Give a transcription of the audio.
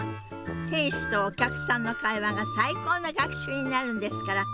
店主とお客さんの会話が最高の学習になるんですから。